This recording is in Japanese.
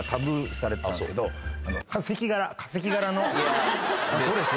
化石柄のドレス